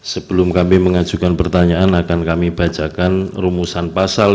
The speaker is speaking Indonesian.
sebelum kami mengajukan pertanyaan akan kami bacakan rumusan pasal